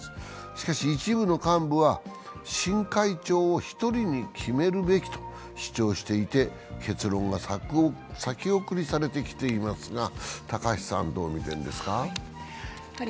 しかし一部の幹部は新会長を１人に決めるべきと主張していて結論が先送りされてきていますが高橋さんはどう見てますか？